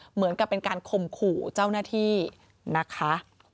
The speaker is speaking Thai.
เหมือนกับเป็นการข่มขู่เจ้าหน้าที่นะคะ